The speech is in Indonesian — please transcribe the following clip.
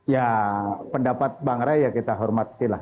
ya pendapat pak rey kita hormatilah